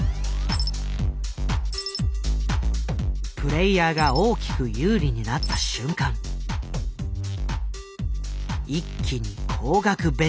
プレイヤーが大きく有利になった瞬間一気に高額ベット。